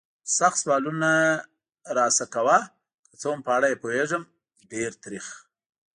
سخت سوالونه را نه کوه. که څه هم په اړه یې پوهېږم، ډېر تریخ.